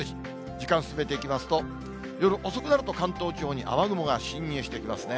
時間進めていきますと、夜遅くなると、関東地方に雨雲が進入してきますね。